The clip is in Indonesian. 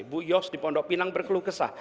bu yos di pondok pinang berkeluh kesah